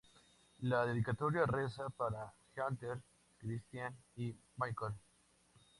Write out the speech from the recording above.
La dedicatoria reza: ""Para Heather, Christian y Michael.